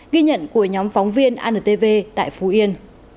ghi nhận của nhóm phóng viên antv tại phú yên